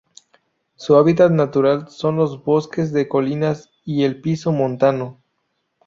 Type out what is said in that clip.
Su hábitat natural son los bosques de colinas y el piso montano.